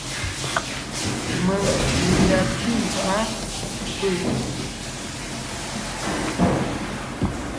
Mèŋ n da pí tswaʼá fʉ̀ʼ.